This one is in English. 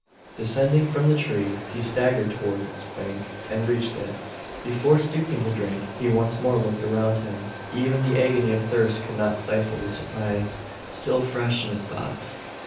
Descending from the tree, he staggered towards its bank, and reached it. Before stooping to drink, he once more looked around him. Even the agony of thirst could not stifle the surprise, still fresh in his thoughts.